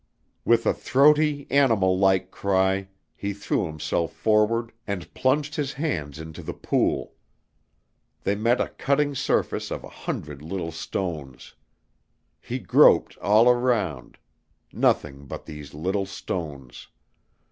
With a throaty, animal like cry, he threw himself forward and plunged his hands into the pool. They met a cutting surface of a hundred little stones. He groped all around; nothing but these little stones.